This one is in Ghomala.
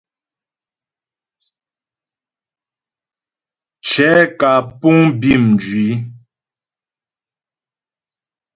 Cɛ̌ kǎ puŋ bí mjwǐ.